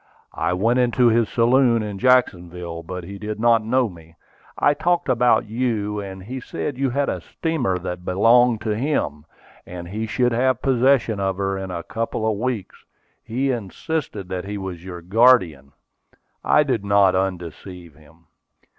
"I went into his saloon in Jacksonville, but he did not know me. I talked about you; and he said you had a steamer that belonged to him, and he should have possession of her in a couple of weeks. He insisted that he was your guardian. I did not undeceive him."